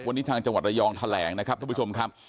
วันนี้ทางจังหวัดระยองแถลงนะครับท่านผู้ชมครับ